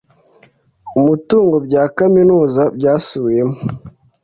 umutungo bya kaminuza byasubiwemo